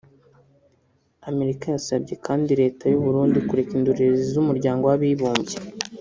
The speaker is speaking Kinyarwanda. Amerika yasabye kandi leta y’u Burundi kureka indorerezi z’ Umuryango w’Abibumbye